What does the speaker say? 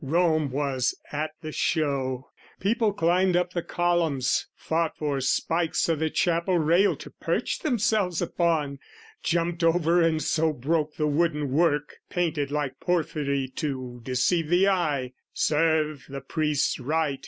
Rome was at the show. People climbed up the columns, fought for spikes O' the chapel rail to perch themselves upon, Jumped over and so broke the wooden work Painted like porphyry to deceive the eye; Serve the priests right!